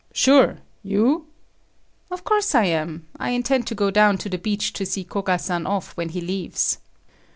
"Sure. You?" "Of course I am. I intend to go down to the beach to see Koga san off when he leaves."